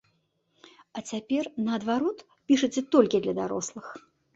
А цяпер, наадварот, пішаце толькі для дарослых?